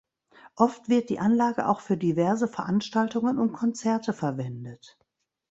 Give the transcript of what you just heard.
Oft wird die Anlage auch für diverse Veranstaltungen und Konzerte verwendet.